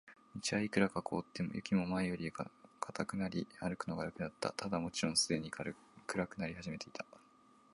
道はいくらか凍って、雪も前よりは固くなり、歩くのが楽だった。ただ、もちろんすでに暗くなり始めていた。